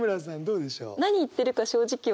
どうでしょう？